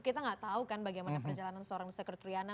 kita nggak tahu kan bagaimana perjalanan seorang secret riana